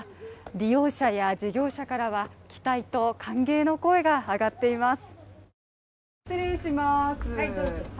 利用者や事業者からは期待と歓迎の声が上がっています。